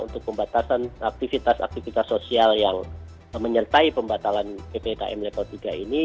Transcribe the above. untuk pembatasan aktivitas aktivitas sosial yang menyertai pembatalan ppkm level tiga ini